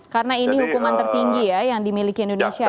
karena ini hukuman tertinggi ya yang dimiliki indonesia